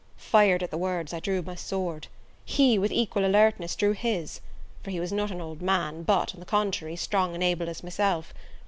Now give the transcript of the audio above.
Fired at the words, I drew my sword; he, with equal alertness, drew his; for he was not an old man, but, on the contrary, strong and able as myself.